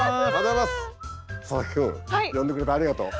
佐々木君呼んでくれてありがとう。